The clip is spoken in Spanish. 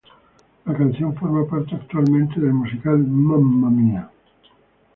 La canción forma parte actualmente del musical "Mamma Mia!